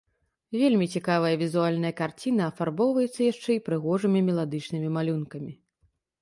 Вельмі цікавая візуальная карціна афарбоўваецца яшчэ і прыгожымі меладычнымі малюнкамі.